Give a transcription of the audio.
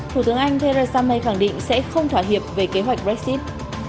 thủ tướng anh theresa may khẳng định sẽ không thỏa hiệp về kế hoạch brexit